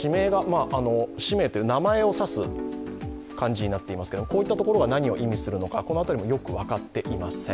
氏名、名前を指す漢字になっていますけれども、こういったところが何を意味するのか、この辺りもよく分かっていません。